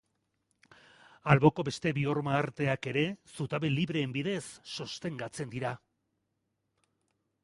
Alboko beste bi horma-arteak ere zutabe libreen bidez sostengatzen dira.